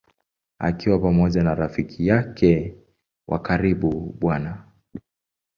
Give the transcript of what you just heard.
Akiwa pamoja na rafiki yake wa karibu Bw.